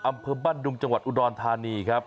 อำเภอบ้านดุงจังหวัดอุดรธานีครับ